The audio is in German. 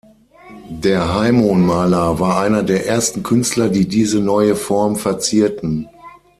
Der Haimon-Maler war einer der ersten Künstler, die diese neue Form verzierten.